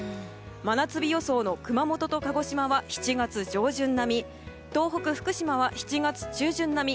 真夏日予想の熊本と鹿児島は７月上旬並み東北、福島は７月中旬並み。